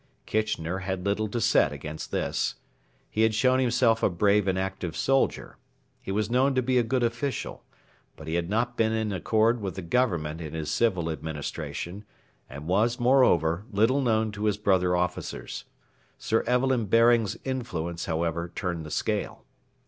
Kitchener had little to set against this. He had shown himself a brave and active soldier. He was known to be a good official. But he had not been in accord with the Government in his civil administration, and was, moreover, little known to his brother officers. Sir Evelyn Baring's influence, however, turned the scale.